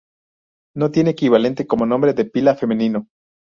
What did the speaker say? No tiene equivalente como nombre de pila femenino.